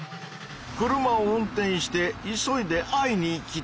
車を運転して急いで会いに行きたい。